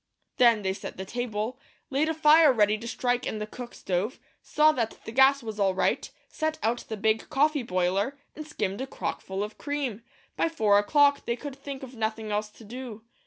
Then they set the table, laid a fire ready to strike in the cook stove, saw that the gas was all right, set out the big coffee boiler, and skimmed a crock full of cream. By four o'clock, they could think of nothing else to do.